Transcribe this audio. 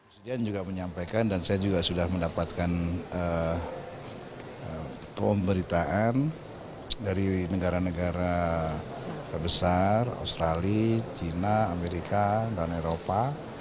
presiden juga menyampaikan dan saya juga sudah mendapatkan pemberitaan dari negara negara besar australia china amerika dan eropa